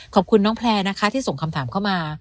ขอบคุณน้องแพลร์นะคะที่ส่งคำถามเข้ามา